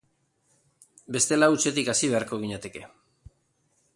Bestela, hutsetik hasi beharko ginateke.